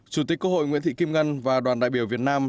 chủ tịch quốc hội nguyễn thị kim ngân và đoàn đại biểu việt nam